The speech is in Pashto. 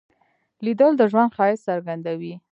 لیدل د ژوند ښایست څرګندوي